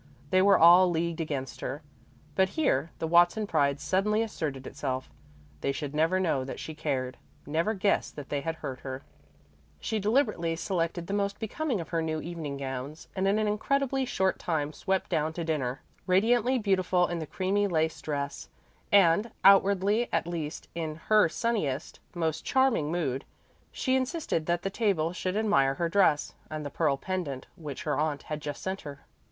They were all leagued against her. But here the Watson pride suddenly asserted itself they should never know that she cared, never guess that they had hurt her. She deliberately selected the most becoming of her new evening gowns, and in an incredibly short time swept down to dinner, radiantly beautiful in the creamy lace dress, and outwardly at least in her sunniest, most charming mood. She insisted that the table should admire her dress, and the pearl pendant which her aunt had just sent her.